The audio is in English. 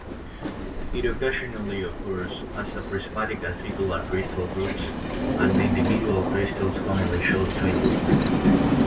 It occasionally occurs as prismatic acicular crystal groups, and individual crystals commonly show twinning.